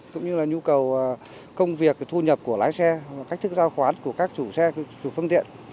cũng như là nhu cầu công việc thu nhập của lái xe cách thức giao khoán của các chủ phương tiện